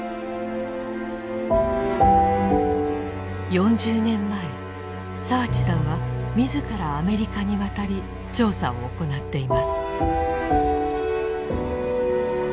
４０年前澤地さんは自らアメリカに渡り調査を行っています。